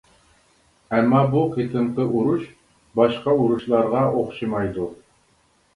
ئەمما بۇ قېتىمقى ئۇرۇش باشقا ئۇرۇشلارغا ئوخشىمايدۇ.